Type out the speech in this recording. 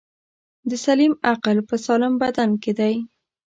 دسلیم عقل په سالم بدن کی دی.